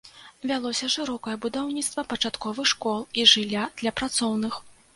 Вялося шырокае будаўніцтва пачатковых школ і жылля для працоўных.